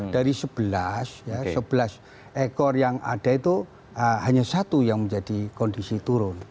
dari sebelas ya sebelas ekor yang ada itu hanya satu yang menjadi kondisi turun